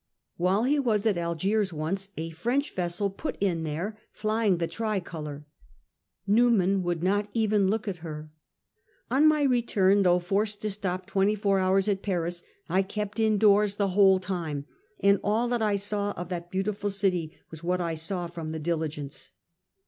While he was at Algiers once a French vessel put in there, flying the tricolour ; Newman would not even look at her. * On my re turn, though forced to stop twenty four hours at Paris, I kept indoors the whole time, and all that I saw of that beautiful city was what I saw from the diligence.